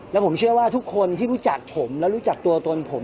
แล้วผมเชื่อว่าทุกคนที่รู้จักผมและรู้จักตัวตนผม